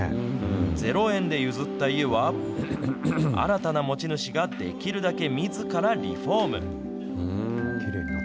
０円で譲った家は、新たな持ち主ができるだけみずからリフォーム。